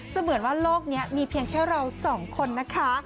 เสมือนว่าโลกนี้มีเพียงแค่เราสองคนนะคะ